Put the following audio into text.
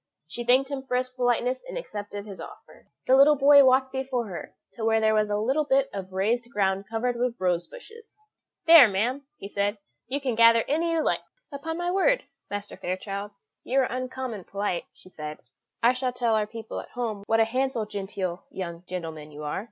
She thanked him for his politeness, and accepted his offer. The little boy walked before her to where there was a bit of raised ground covered with rose bushes. "There, ma'am," he said, "you can gather any you like." "Upon my word, Master Fairchild, you are uncommon polite," she said; "I shall tell our people at home what a handsome genteel young gentleman you are.